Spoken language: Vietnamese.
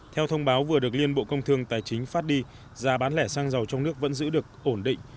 theo thông báo vừa được liên bộ công thương tài chính phát đi giá bán lẻ xăng dầu trong nước vẫn giữ được ổn định